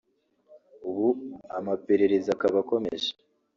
ubu amaperereza akaba akomeje